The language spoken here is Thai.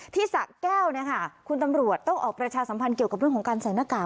สะแก้วคุณตำรวจต้องออกประชาสัมพันธ์เกี่ยวกับเรื่องของการใส่หน้ากาก